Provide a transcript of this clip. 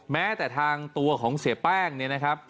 แม้แต่ทางตัวของเสียแป้งเนี่ยนะครับ